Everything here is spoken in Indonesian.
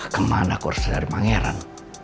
kemana aku harus nyari pangeran